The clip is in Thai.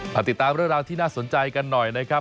ติดตามเรื่องราวที่น่าสนใจกันหน่อยนะครับ